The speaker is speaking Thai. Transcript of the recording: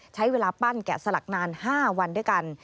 ใช้เวลาปั้นแกะสลักนาน๕วันด้วยกัน